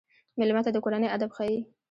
مېلمه ته د کورنۍ ادب ښيي.